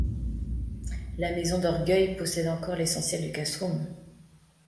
La maison d'Orgueil possède encore l'essentiel du castrum.